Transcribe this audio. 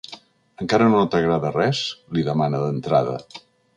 Encara no t’agrada res?, li demana d’entrada.